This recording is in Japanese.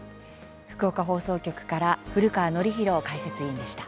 福岡放送局から古川憲洋解説委員でした。